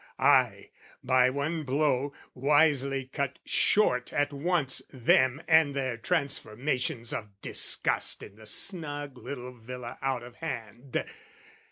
I, by one blow, wisely cut short at once Them and their transformations of disgust In the snug little Villa out of hand.